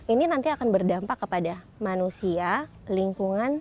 ini nanti akan berdampak kepada manusia lingkungan